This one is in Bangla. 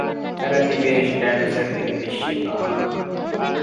তারা দ্বীপে এসে ডাইনোসর দেখে বিস্মিত হন।